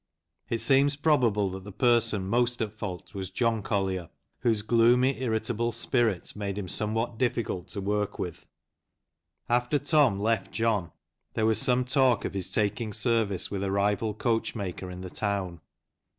It seems probable that the person most at fault was John Collier, whose gloomy, irritable spirit made him somewhat difficult to work with. After Tom left John there was some talk of his taking service with a rival coachmaker in the town.